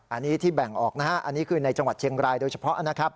อันนี้ที่แบ่งออกนะฮะอันนี้คือในจังหวัดเชียงรายโดยเฉพาะนะครับ